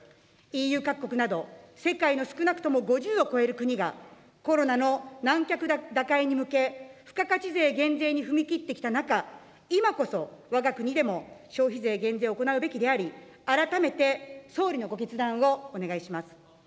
ＥＵ各国など世界の少なとも５０を超える国がコロナの難局打開に向け、付加価値税減税に踏み切ってきた中、今こそ、わが国でも消費税減税を行うべきであり、改めて総理のご決断をお願いします。